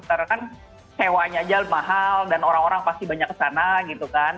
karena kan sewanya aja mahal dan orang orang pasti banyak kesana gitu kan